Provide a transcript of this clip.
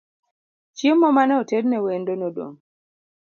Chiemo mane otedne wendo nodong'